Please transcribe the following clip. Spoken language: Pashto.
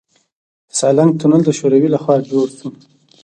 د سالنګ تونل د شوروي لخوا جوړ شو